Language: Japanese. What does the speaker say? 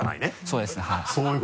そうですねはい。